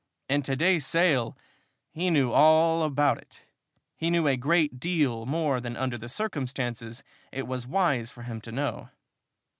And to day's sale! He knew all about it! He knew a great deal more than under the circumstances it was wise for him to know!